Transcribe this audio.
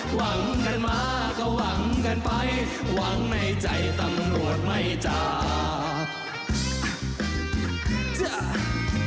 หวังกันมาก็หวังกันไปหวังในใจตำรวจไม่จาก